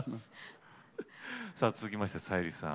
さあ続きましてさゆりさん。